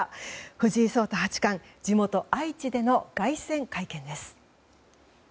藤井聡太八冠地元・愛知での凱旋会見です。